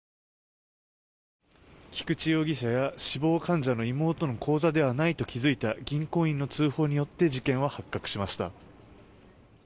菊池容疑者や死亡患者の妹の口座ではないと気付いた銀行員の通報によって事件は発覚しました。